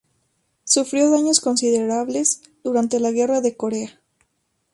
Sufrió daños considerables durante la Guerra de Corea.